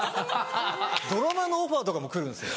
ドラマのオファーとかも来るんですよ。